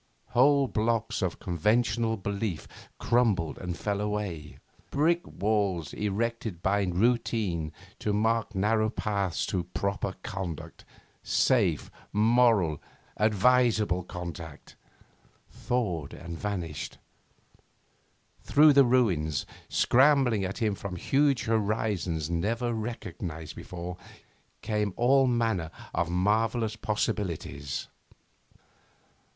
Whole blocks of conventional belief crumbled and fell away. Brick walls erected by routine to mark narrow paths of proper conduct safe, moral, advisable conduct thawed and vanished. Through the ruins, scrambling at him from huge horizons never recognised before, came all manner of marvellous possibilities.